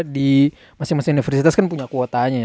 di masing masing universitas kan punya kuotanya